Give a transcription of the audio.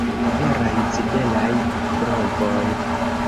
Veraj zibelaj brovoj!